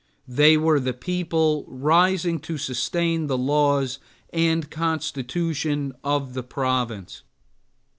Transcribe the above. They were the people rising to sustain the laws and constitution of the Province.